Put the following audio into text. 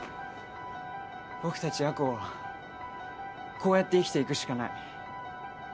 僕たち夜行はこうやって生きていくしかない。